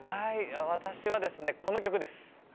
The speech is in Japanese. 私はですねこの曲です。